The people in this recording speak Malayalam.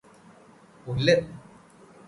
പുല്ല്